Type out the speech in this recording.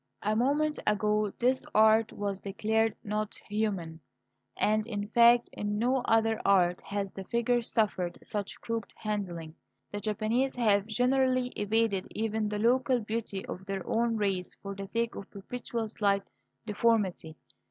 A moment ago this art was declared not human. And, in fact, in no other art has the figure suffered such crooked handling. The Japanese have generally evaded even the local beauty of their own race for the sake of perpetual slight deformity.